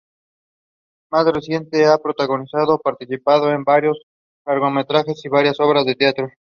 Más recientemente ha protagonizado o participado en varios largometrajes y varias obras de teatro.